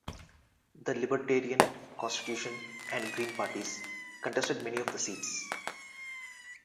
The Libertarian, Constitution, and Green parties contested many of the seats.